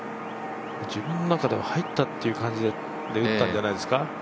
自分の中では入ったという感じで打ったんじゃないですか。